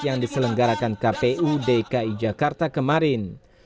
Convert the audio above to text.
yang diselenggarakan kpu dki jakarta kemarin